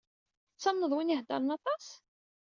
Tettamneḍ win i iheddṛen aṭas?